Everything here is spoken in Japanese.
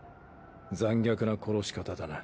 残虐な殺し方だな。